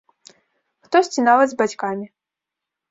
Хтосьці нават з бацькамі.